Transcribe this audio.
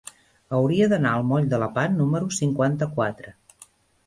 Hauria d'anar al moll de Lepant número cinquanta-quatre.